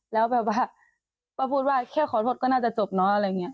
แล้วแบบว่าก็พูดว่าแค่ขอโทษก็น่าจะจบเนอะอะไรอย่างนี้